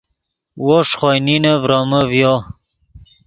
وو ݰے خوئے نینے ڤرومے ڤیو